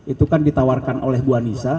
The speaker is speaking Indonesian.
itu kan ditawarkan oleh bu anissa